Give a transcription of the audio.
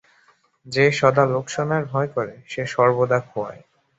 যে সদা লোকসানের ভয় করে, সে সর্বদা খোয়ায়।